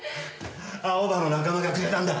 アオバの仲間がくれたんだ。